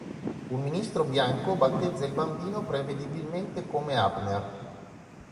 Un ministro bianco battezza il bambino, prevedibilmente, come Abner.